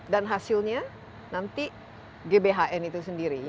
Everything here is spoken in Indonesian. dan hasilnya nanti gbhn itu sendiri